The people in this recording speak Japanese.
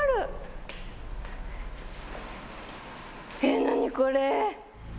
えっ何これ。